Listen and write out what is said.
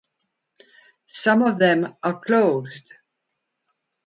Some of them are closed.